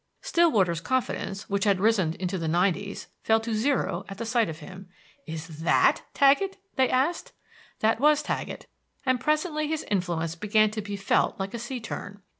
Stillwater's confidence, which had risen into the nineties, fell to zero at sight of him. "Is that Taggett?" they asked. That was Taggett; and presently his influence began to be felt like a sea turn.